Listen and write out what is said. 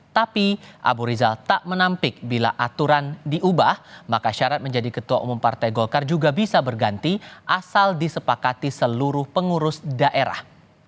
tapi abu rizal tak menampik bila aturan diubah maka syarat menjadi ketua umum partai golkar juga bisa berganti asal disepakati seluruh pengurus daerah